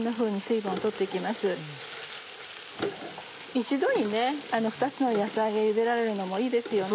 一度に２つの野菜をゆでられるのもいいですよね。